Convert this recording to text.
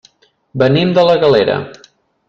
Venim de la Galera.